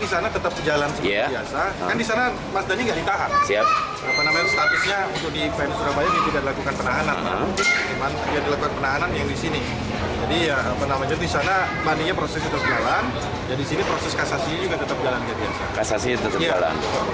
kudanya berkata bahwa mereka harus berkata bahwa mereka harus berkata bahwa mereka harus berkata bahwa